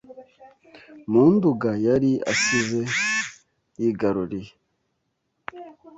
mu Nduga yari asize yigaruriye